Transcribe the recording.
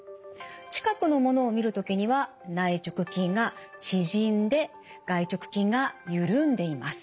近くの物を見る時には内直筋が縮んで外直筋がゆるんでいます。